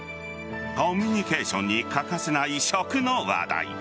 コミュニケーションに欠かせない食の話題。